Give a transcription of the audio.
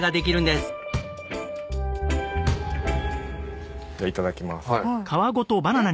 ではいただきます。